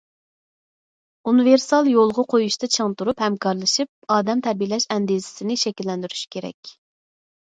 ئۇنىۋېرسال يولغا قويۇشتا چىڭ تۇرۇپ، ھەمكارلىشىپ ئادەم تەربىيەلەش ئەندىزىسىنى شەكىللەندۈرۈش كېرەك.